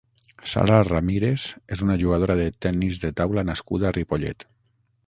Sara Ramírez és una jugadora de tennis de taula nascuda a Ripollet.